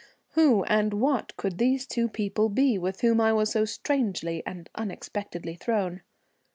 Who and what could these two people be with whom I was so strangely and unexpectedly thrown?